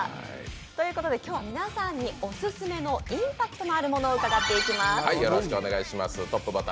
ということで今日は皆さんにオススメのインパクトがあるものを伺っていきます。